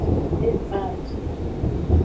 E fan avi.